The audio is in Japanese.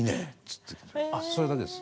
ってそれだけです。